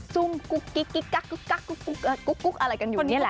ซุงกุ๊กกอกกอะไรกันอยู่อยู่เนี่ยแหละ